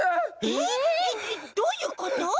えっえっどういうこと？